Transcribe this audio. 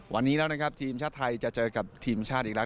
วันนี้แล้วนะครับทีมชาติไทยจะเจอกับทีมชาติอีกแล้ว